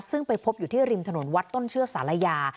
ซึ่งไปพบอยู่ที่ริมถนนวัดต้นเชือกศาลายา